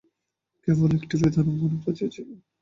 কেবল একটি বেদনা মনে বাজিয়াছিল।